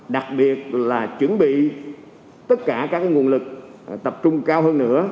đặc biệt là chuẩn bị tất cả các nguồn lực tập trung cao hơn nữa